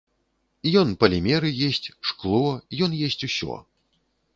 Ён палімеры есць, шкло, ён есць усё.